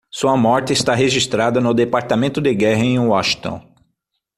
Sua morte está registrada no Departamento de Guerra em Washington.